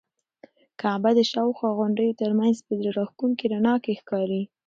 کعبه د شاوخوا غونډیو تر منځ په زړه راښکونکي رڼا کې ښکاري.